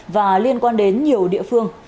và liên quan đến nhiều địa phương